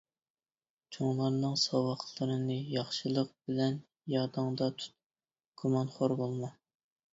چوڭلارنىڭ ساۋاقلىرىنى ياخشىلىق بىلەن يادىڭدا تۇت، گۇمانخور بولما.